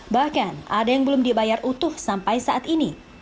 bahkan ada yang belum dibayar utuh sampai saat ini